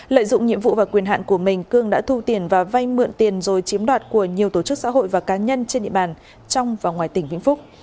lợi dụng nhiệm vụ và quyền hạn của mình cương đã thu tiền và vay mượn tiền rồi chiếm đoạt của nhiều tổ chức xã hội và cá nhân trên địa bàn trong và ngoài tỉnh vĩnh phúc